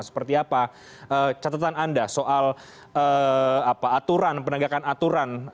seperti apa catatan anda soal aturan penegakan aturan